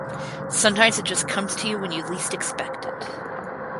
Sometimes it just comes to you when you least expect it.